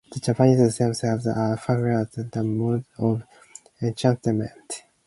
The Japanese themselves are familiar with similar modes of enchantment.